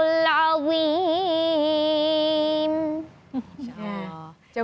in kuntum ta alabuhu